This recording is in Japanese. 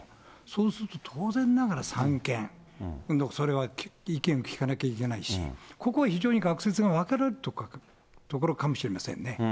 そうすると当然ながら三権、それは意見を聞かなきゃいけないし、ここは非常に学説が分かれるところかもしれませんね。